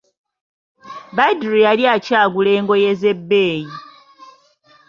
Badru yali akyagula engoye z'ebbeeyi.